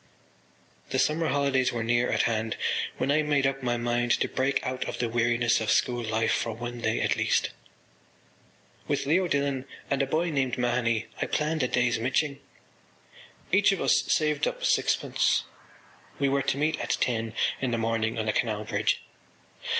The summer holidays were near at hand when I made up my mind to break out of the weariness of school life for one day at least. With Leo Dillon and a boy named Mahony I planned a day’s miching. Each of us saved up sixpence. We were to meet at ten in the morning on the Canal Bridge.